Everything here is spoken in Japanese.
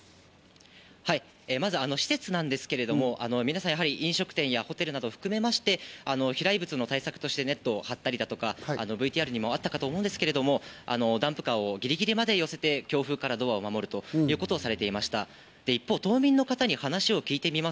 まず施設なんですけれども、飲食店やホテルなどを含めまして、飛来物の対策としてネットを張ったり、ＶＴＲにもあったかと思うんですけれども、ダンプカーをぎりぎりまで寄せて、強風からドアを守るということをされていました。